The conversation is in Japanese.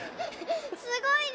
すごいね！